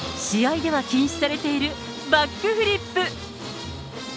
試合では禁止されているバックフリップ。